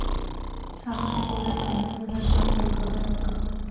هغه په خورا کمزوري غږ ماته یوه خبره وکړه